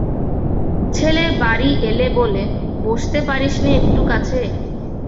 ছেলে বাড়ি এলে বলে, বসতে পারিসনে একটু কাছে।